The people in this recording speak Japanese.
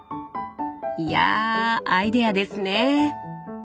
いやアイデアですね。